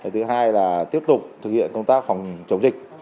thứ hai là tiếp tục thực hiện công tác phòng chống dịch